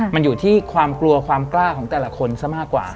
มันอยู่ที่ความกลัวความกล้าของแต่ละคนซะมากกว่า